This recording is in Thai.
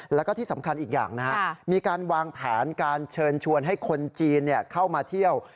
แล้วก็ที่สำคัญอีกอย่างนะครับมีการวางแผนการเชิญชวนให้คนจีนเข้ามาเที่ยว